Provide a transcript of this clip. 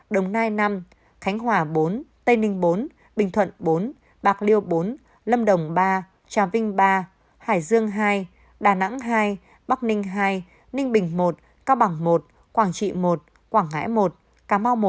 đồng nai năm khánh hòa bốn tây ninh bốn bình thuận bốn bạc liêu bốn lâm đồng ba trà vinh ba hải dương hai đà nẵng hai bắc ninh hai ninh bình một cao bằng một quảng trị i quảng ngãi một cà mau một